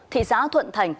thị xã thuận thành